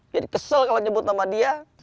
jadi kesel kalau nyebut nama dia